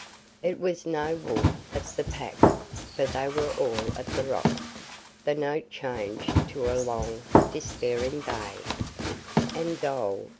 It was no wolf of the Pack, for they were all at the Rock. The note changed to a long, despairing bay; and "Dhole!"